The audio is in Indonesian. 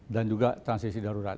dan juga transisi darurat